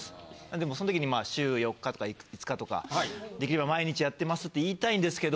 でもその時に週４日とか５日とかできれば毎日やってますって言いたいんですけど。